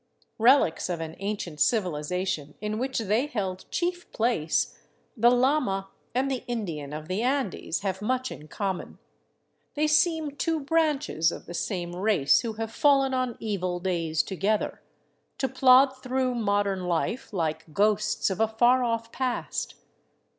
Relics of an ancient civilization in which they held chief place, the llama and the Indian of the Andes have much in common; they seem two branches of the same race who have fallen on evil days together, to plod through modern life like ghosts of a far off past.